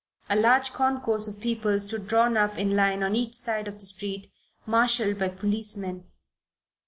A large concourse of people stood drawn up in line on each side of the street, marshalled by policemen.